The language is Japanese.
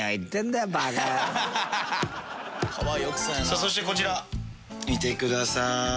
さあそしてこちら見てください。